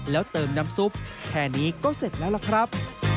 แล้วเติมน้ำซุปแค่นี้ก็เสร็จแล้วล่ะครับ